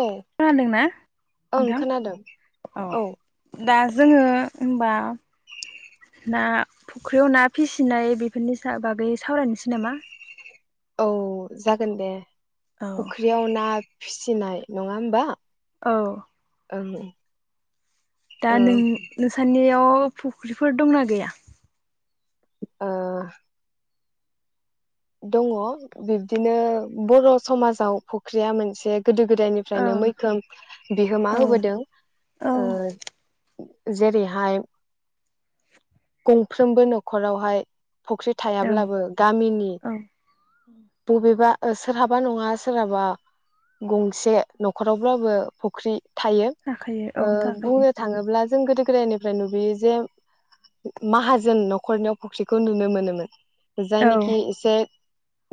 औ खोनादोंना ओं नोंथां खोनादों औ दा जोङो होनबा ना फुख्रियाव ना फिसिनाय बेफोरनि बागै सावरायनोसै नामा। औ जागोन दे। औ फुख्रियाव ना फिसिनाय नङा होमबा? औ ओं दा ओ नों नोंसानियाव फुख्रिफोर दंना गैया? ओ दङ' बिब्दिनो बर' समाजाव फुख्रिया मोनसे गोदो औ गोदायनिफ्रायनो मैखोम बिहोमा औ होबोदों औ ओ जेरैहाय गंफ्रोमबो न'खरावहाय फुख्रि औ थायाब्लाबो गामिनि औ बबेबा ओ सोरहाबा नङा सोरहाबा गंसे न'खरावब्लाबो फुख्रि थायो थाखायो औ ओ थाखायो बुंनो थाङोब्ला जों गोदो गोदायनिफ्राय नुबोयो जे माहाजोन न'खरनियाव फुख्रिखौ नुनो मोनोमोन। औ जायनेखि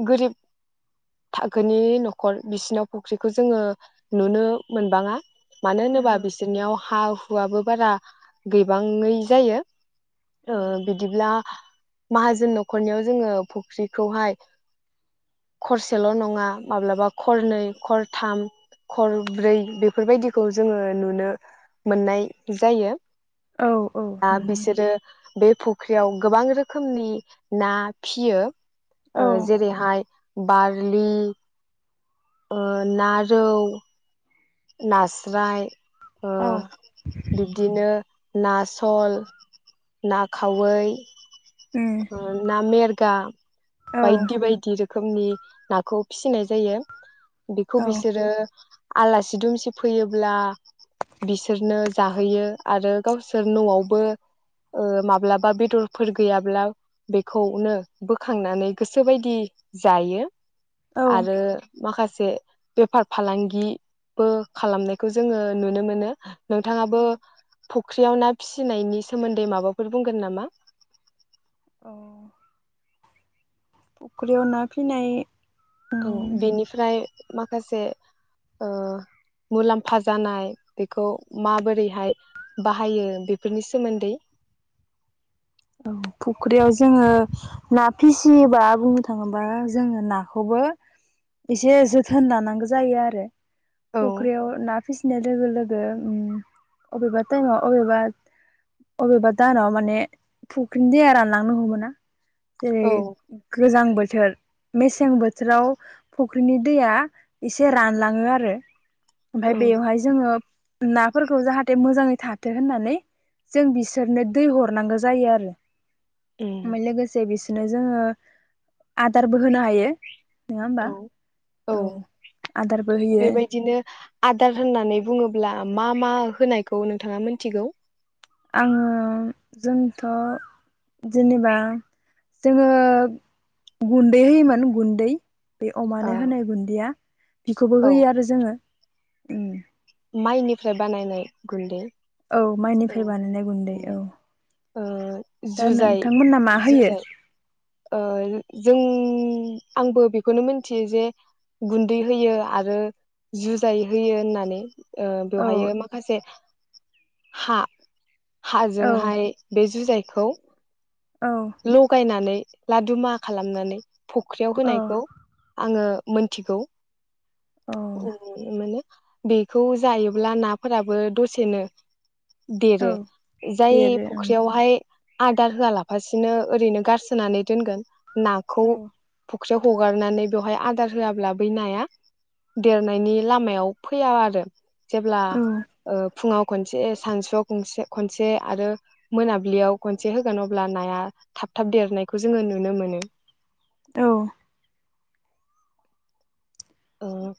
गोरिब थाखोनि न'खर बिसिनाव फुख्रिखौ जोङो नुनो मोनबाङा। मानो होनोबा बिसोरनियाव हा हुआबो बारा गैबाङै जायो। ओ ओहो बिदिब्ला माहाजोन न'खरनियाव जोङो फु ख्रिखौहाय खरसेल' नङा माब्लाबा खरनै खरथाम खरब्रै बेफोरबायदिखौ जोङो नुनो मोननाय जायो। औ औ आ नुनो मोनो बिसोरो बे फुख्रियाव गोबां रोखोमनि ना फियो। औ ओ जेरैहाय बारलि ओ ना रौ नास्राइ ओ औ बिब्दिनो ना सल, ना खावै उम ओ ना मेरगा औ बायदि - बायदि रो खोमनि नाखौ फिसिनाय जायो। बेखौ औ बिसोरो आलास सि दुमसि फैयोब्ला बिसोरनो जाहोयो आरो गावसोर न'आवबो ओ माब्लाबा बेदरफोर गैयाब्ला बेखौनो बोखांनानै गोसो बायदि जायो। औ आरो माखासे से बेफार फालांगि बो खालामनायखौ जोङो नुनो मोनो। नोंथाङाबो औ फख्रियाव ना फिसिनायनि सोमोन्दै माबाफोर बुंगोन नामा? औ। फख्रियाव ना फिनाय औ उम बेनिफ्राय माखासे ओ मुलाम्फा जानाय बेखौ माबोरैहाय बाहायो बेफोरनि सोमोन्दै औ फुख्रियाव जोङो ना फिसियोबा बुंनो थाङोबा जोङो नाखौबो एसे जोथोन लानांगौ जायो आरो। औ फख्रियाव ना फिसिनाय लोगो लोग। जाया उम अबेबा टाइमाव अबेबा-अबेबा दानाव माने फुख्रिनि दैया रानलांनो हमोना? जेरै औ गोजां बोथोर मेसें बोथोराव फुख्रिनि दैया एसे रानलाङो आरो। ओमफाय ओं बेवहाय जोङो नाफोरखौ जाहाथे मोजाङै था थो होननानै जों बिसोरनो दै हरनांगौ जायो आर। ओ। उम मे लोगोसे बिस नो जोङो आदारबो होनो हायो। नङा होमबा औ-औ औ आदारबो होयो बेबायदिनो आदार होननानै बुङोब्ला आ मा-मा होनायखौ नोंथाङा मोनथिगौ? आङो जोंथ'। जेनेबा। जोङो गुन्दै होयोमोन गुन्दै। बे औ अमानो होनाय गुन्दैया बिखौबो औ होयो आरो जोङो। उम। माइनिफ्राय बानायनाय गुन्दै। औ माइनिफ्राय बानायनाय गुन्दै औ। ओयो। दा जुजाय नोंथांमोना मा होयो जुजाय ओयो जों उम आंबो बेखौनो मिथियो जे गुन्दै होयो आरो जुजाय होयो होननानै। ओयो औ बेवहायो माखासे हा। औ हाजोंहाय बे जुजाय खौ। औ लगायनानै लादु मा खालामनानै फख्रियाव औ होनायखौ आङो मोनथिगौ। औ अ माने बेखौ जायोब्ला नाफोराबो दसेनो। औ देरो जाय देरो ओं फुख्रियावहाय। आदार होआलाब। फारसेनो ओरैनो गारसोनानै दोनगोन। नखौ औ थब। फुख्रियाव हगारनानै बेवहाय आदार होआब्ला बै नाया देरनायनि लामायाव फैया आरो। जेब्ला औ ओ फुङाव खनसे सानसुआवसे खनसे आरो मोनाबिलियाव खनसे होगोन अब अब्ला नाया थाब थाब देरनायखौ जोङो नुनो मोनो। औ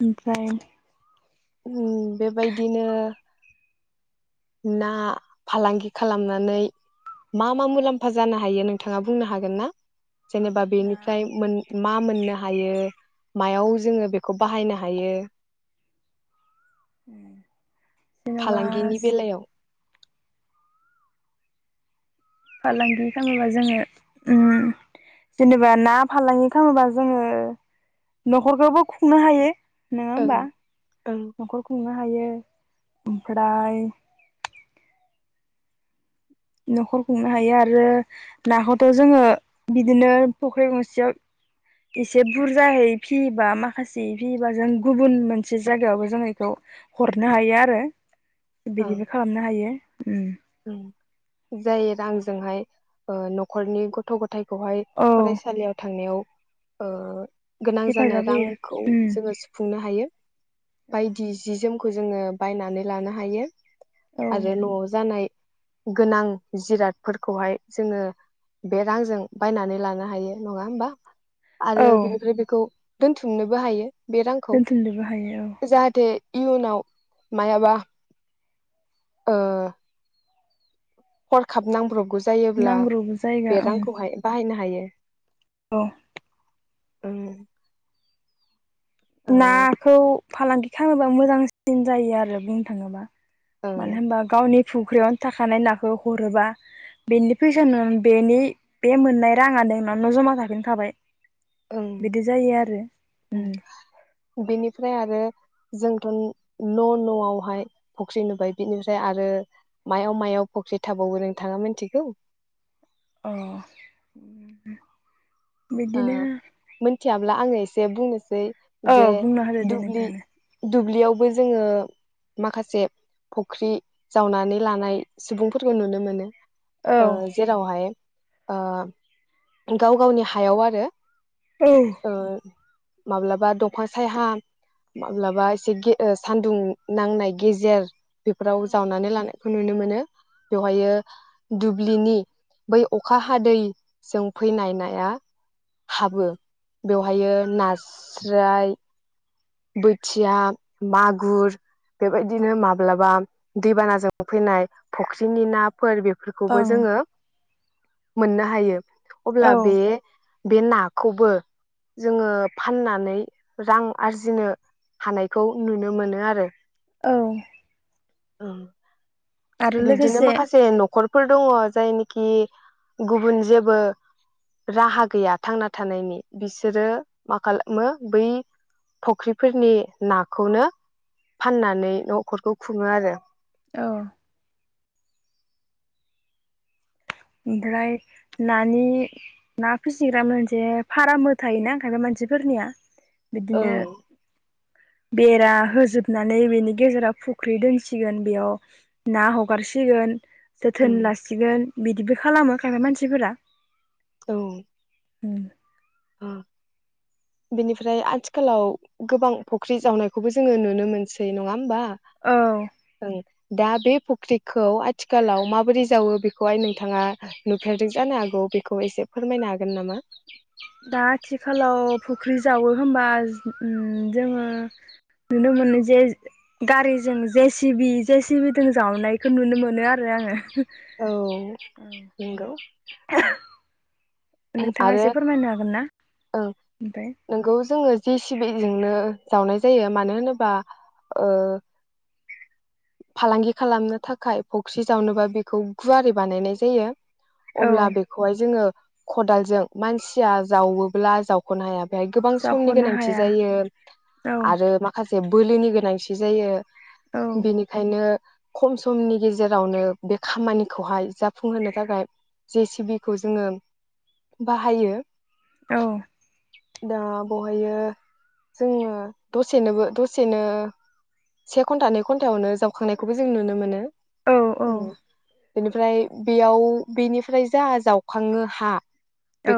ओमफ्राय उम बेबायदिनो। ना फालांगि खालामनानै मा मा मुलाम्फा जानो हायो नोंथाङा बुंनो हागोन ना। जेनेबा ना बेनिफ्राय मोन-उम म मोननो हायो मायाव जोङो बेखौ बाहायनो हायो। [inaudible] जेनेबा फालांगिनि बेलायाव। फालांगि खालामोबा जोङो उम- जेनेबा ना फालांगि खालामोबा जोङो नखरखौबो खुंनो हायो। नोङा ओं होमबा ओं नखर खुंना। हायो ओमफ्राय नखर खुंनो हायो आरो नाखौथ जोङो बिदिनो फख्रि गंसेयाव एसे बुरजायै फियोबा माखासे फियोबा जों गुबुन मोनसे जायगायावबो जों बेखौ हरनो हायो आरो। ओं बिदिबो खालामनो हायो। जाय रांजोंहाय नखरनि गथ गथाइ खौहाय औ फरायसालियाव थांनायाव। ओ गोनां जानाय हेफाजाब होयो रांखौ जोङो सुफुंनो हायो औ बायदि जि जोम। खौ जोङो बायनानै लानो हायो। औ आरो नआव जानाय। गोनां जिरादफोरखौहाय जोङो बे रांजों बायनानै लानो हायो नङा होमबा। औ आरो बेनिख्रुय बेखौ दोनथुमनोबो हायो। बे रांखौ दोनथुमनोबो हायो जाहाथे इयुनाव मायाबा हरखाब नांब्रबगौ। औ जायोब्ला नांग्रोगौ जायगा बे रांखौहाय बाहायनो हायो। द औ नाखौ फालांगि खालाम थाङोबा मोजांसिन जायो आरो बुंनो थाङोबा मानो ओं होनबा गावनि फुख्रियावनो थाखानाय नाखौ हरोबा बेनि फैसा न बेनि बे मोननाय राङा नोंनाव न' जमा थाफिनखाबाय ओं बिदि जायो आरो उम बेनिफ्राय आरो जोंथ' न' न'आवहाय फुख्रि नुबाय बिनिफ्राय आरो मायाव मायाव फुख्रि थाबावो नों थाङा मिथिगौ? औ औ मिथिय अब्ला आङो एसे बुंनोसै औ जे बुंना होदो देै दुब्लि नोंथांआनो दुब्लियावबो जोङो माखासे फुख्रि जावनानै लानाय सुबुंफोरखौ नुनो मोनो। औ ओ जेरावहाय ओ गाव गावनि हायाव आरो औ उ माब्लाबा दंफां सायहा माब्लाबा एसे गे ओ सान्दुं नांनाय गेजेर। बेफोराव जावनानै लानाय खौ नुनो मोनो बेवहायो दुब्लिनि बै अखा हादैजों फैनाय नाया हाबो बेवहायो नास्राय बोथिया मागुर बेबायदिनो माब्लाबा दैबानाजों फैनाय फख्रिनि ना फोर बेफोरखौबो ओं जोङो मोननो हायो। अब्ला औ बे बे नाखौबो जोङो फाननानै रां आरजि जिनो हानायखौ नुनो मोनो आरो। औ। औ। आरो बिब्दिनो लोगोसे माखासे न' खरफोर दङ जायनिखि गुबुन जेबो राहा गैया थांना थानायनि बिसोरो मा खालामो बै फख्रिफोरनि नाखौनो फाननानै न'खरखौ खुङो आरो। औ। ओमफ्राय नानि ना फिसिग्रा मोनसे फारामबो थायोना खायफा मानसिफोरनिया। बिदिनो ओं बेरा होजोबनानै बेनि गेजेराव फुख्रि दोनसिगोन बेयाव ना हगारसिगोन। ओं जोथोन लासिगोन। बिदिबो खालामो खायफा मानसिफोरा। औ उम ओ बेनिफ्राय आथिखालाव गोबां फख्रि जावनायखौबो जोङो नुनो मोनसै नङा होमबा? औ ओं दा बे फख्रिखौ आथिखालाव माबोरै जावो बेखौहाय नोंथाङा नुफेरदों जानो हागौ बेखौ एसे फोरमायनो हागोन नामा? दा आथिखालाव फख्रि जावो होमबा उम जोङो नुनो मोनो जे गारिजों जे सि बि जे सि बि जों जावनायखौ नुनो मोनो आरो आंङो। औ नंगौ नोंथाङा आरो एसे फोरमायनो हागोन ना ओं ओमफ्राय नोंगौ जोङो जे सि‌ बि जोंनो जावनाय जायो मानो होनोबा ओ फालांगि खालामनो थाखाय फख्रि जावनोबा बेखौ गुवारै बानायनाय जायो। औ अब्ला बेखौहाय जोङो खदालजों मानसिया जावोब्ला जावख'नो हाया। बेहाय गोबां समनि जाख'नो गोनांथि हाया जायो औ आरो माखासे जे बोलोनि गोनांथि जायो। औ बेनि नो खम समनि गेजेरावनो बे खामानिखौहाय जाफुंहोनो थाखाय जे सि बि खौ जोङो बाहायो। औ दा बेवहायो जोङो दसेनोबो दसेनो से घन्टा नै घन्टायावनो जावखांनायखौबो जों नुनो मोनो। औ औ बेनिफ्राय बेयाव बेनिफ्राय जा जावखाङो हा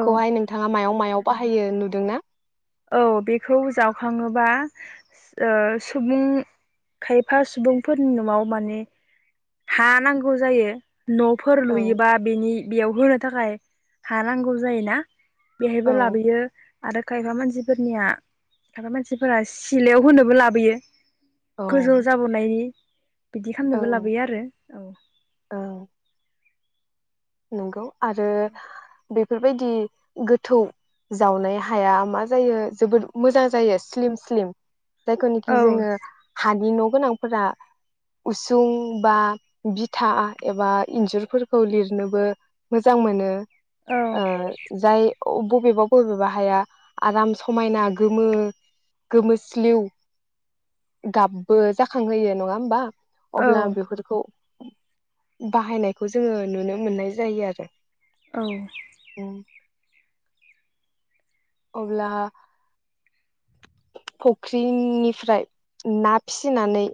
औ नोंथाङा मायाव मा याव बाहायो नुदोंना? औ बेखौ जावखाङोबा ओ सुबुं खायफा सुबुंफोरनि नआव माने हा नांगौ जायो न'फोर ओं लुयोबा बेनि बेयाव होनो थाखाय हा नांगौ जायोना औ बेहायबो लाबोयो। आरो खायफा मान सिफोरनिया थाग्रा मानसिफोरा सिलायाव होनोबो लाबोयो। औ गोजौ जाबोनायनायनि बिदि खालामनोबो ओं लाबोयो आरो औ नोंगौ आरो बेफोरबायदि गोथौ जावनाय हाया मा जायो जोबोद मोजां जायो स्लिम स्लिम जायखौनोखि जोङो औ हानि न' गोनांफोरा उसुं बा बिथा एबा इन्जुरफोरखौ लिर- नोबो मोजां मोनो औ ओ जाय बबेबा बबेबा हाया आराम समायना गोमो गोमो स्लिउ गाबबो जाखांहोयो नङा होमबा? औ अब्ला बेफोरखौ बाहायनायखौ जोङो नुनो मोननाय जायो आरो। औ। अब्ला फुख्रिनिफ्राय ना फिसिनानै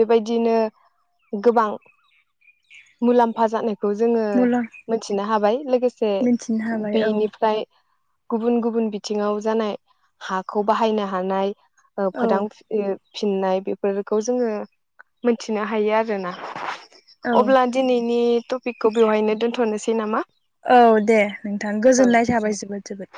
बेबायदिनो गोबां। मुलाम्फा जानाय। खौ जोङो मुलाम मिथिनो हाबाय। लोगो से मिथिनो हाबाय औ बेनिफ्राय गुबुन गुबुन बिथिङाव जानाय हाखौ बाहायनो हानाय औ [unintelligible] फिननाय बेफोरखौ जोङो मोनथिनो हायो आरोना। औ अब्ला दिनैनि टपिकखौ बेवहायनो दोन्थनोसै। नामा। औ दे नोंथां गोजोननाय औ थाबाय जोबोद जोबोद